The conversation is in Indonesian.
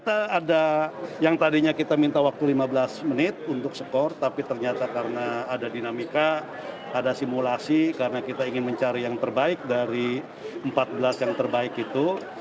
ada dinamika ada simulasi karena kita ingin mencari yang terbaik dari empat belas yang terbaik itu